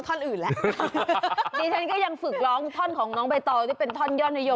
ทีนี้ฉันก็ยังฝึกร้องท่อนของน้องใบต่อที่เป็นท่อนย่อนหย่อมอยู่